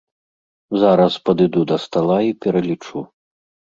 Зараз падыду да стала і пералічу.